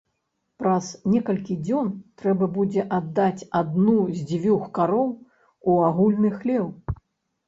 Праз некалькі дзён трэба будзе аддаць адну з дзвюх кароў у агульны хлеў.